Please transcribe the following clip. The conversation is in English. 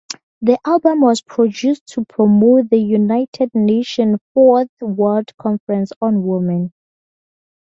The album was produced to promote the United Nations Fourth World Conference on Women.